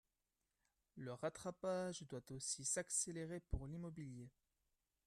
Le rattrapage doit aussi s’accélérer pour l’immobilier.